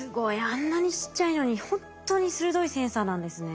あんなにちっちゃいのにほんとに鋭いセンサーなんですね。